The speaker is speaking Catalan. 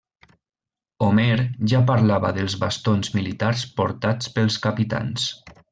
Homer ja parlava dels bastons militars portats pels capitans.